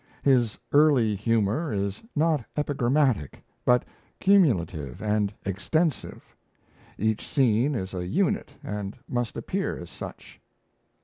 His early humour is not epigrammatic, but cumulative and extensive. Each scene is a unit and must appear as such.